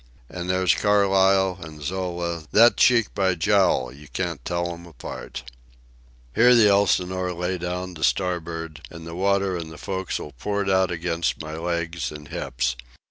An' there's Carlyle and Zola that cheek by jowl you can't tell 'em apart." Here the Elsinore lay down to starboard, and the water in the forecastle poured out against my legs and hips.